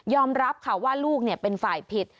ยอมรับค่ะว่าลูกเนี่ยเป็นฝ่ายผิด